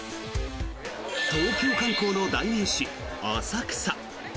東京観光の代名詞、浅草。